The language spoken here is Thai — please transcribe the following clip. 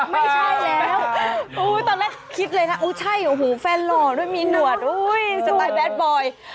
ไม่ใช่แล้วตอนแรกคิดเลยนะอุ้ยใช่โอ้โหแฟนหล่อด้วยมีหนวดสไตล์แดดบอย